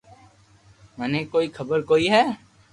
منن ڪوئي خبر ڪوئي ھي